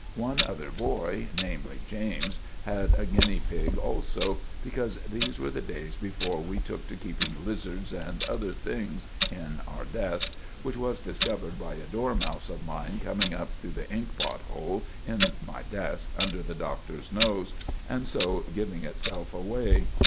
One other boy—namely, James—had a guinea pig also, because these were the days before we took to keeping lizards and other things in our desks—which was discovered by a dormouse of mine coming up through the inkpot hole in my desk under the Doctor's nose, and so giving itself away.